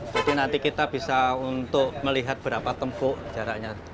jadi nanti kita bisa untuk melihat berapa tembok jaraknya